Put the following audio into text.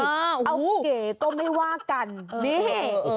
เอาเก๋ก็ไม่ว่ากันนี่